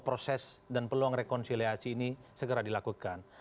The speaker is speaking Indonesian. proses dan peluang rekonsiliasi ini segera dilakukan